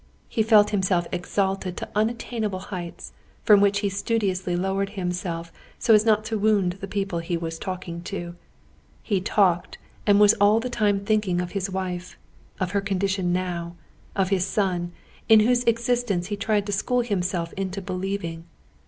He felt himself exalted to unattainable heights, from which he studiously lowered himself so as not to wound the people he was talking to. He talked, and was all the time thinking of his wife, of her condition now, of his son, in whose existence he tried to school himself into believing.